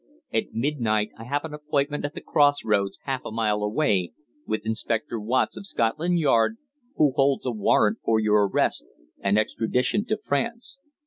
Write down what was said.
"At midnight I have an appointment at the cross roads, half a mile away, with Inspector Watts of Scotland Yard, who holds a warrant for your arrest and extradition to France.